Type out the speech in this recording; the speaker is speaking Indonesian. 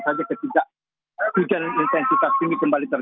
salah satu warga di kecamatan